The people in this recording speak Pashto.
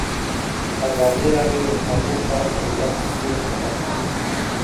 ازادي راډیو د تعلیم په اړه د عبرت کیسې خبر کړي.